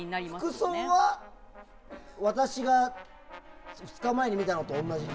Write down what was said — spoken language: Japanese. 服装は私が２日前に見たのと同じ？